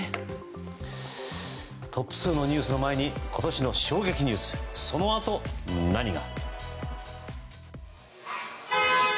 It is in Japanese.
トップ２のニュースの前に衝撃ニュース、その後何が。